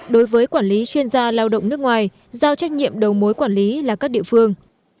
đối với quản lý chuyên gia lao động nước ngoài giao trách nhiệm đầu mối quản lý là các địa phương